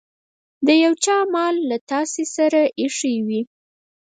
د يو چا مال له تاسې سره ايښی وي.